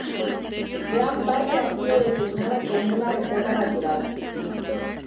Gran parte ha sido designada como una reserva natural.